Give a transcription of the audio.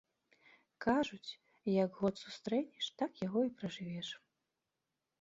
Кажуць, як год сустрэнеш, так яго і пражывеш.